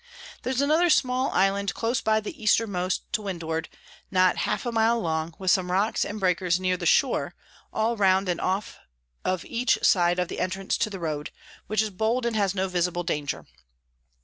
There's another small Island close by the Eastermost to Windward, not half a mile long, with some Rocks and Breakers near the Shore, all round and off of each side of the Entrance to the Road, which is bold and has no visible Danger.